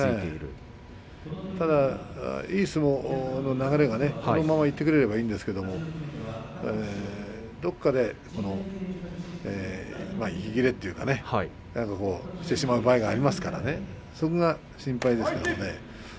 ただ、いい相撲の流れでこのままいってくれればいいんですが、どこかで息切れといいますかしてしまう場合がこの人は多いのでそこが心配です。